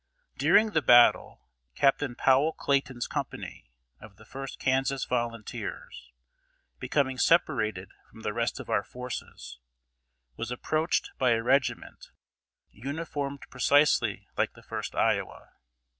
] During the battle, Captain Powell Clayton's company of the First Kansas Volunteers, becoming separated from the rest of our forces, was approached by a regiment uniformed precisely like the First Iowa.